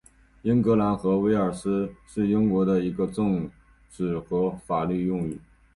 英格兰和威尔斯是英国的一个政治和法律用语。